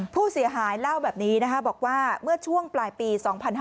ผู้เสียหายเล่าแบบนี้นะคะบอกว่าเมื่อช่วงปลายปี๒๕๕๙